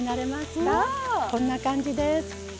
こんな感じです。